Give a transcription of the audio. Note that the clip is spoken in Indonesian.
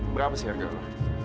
berapa sih harga lo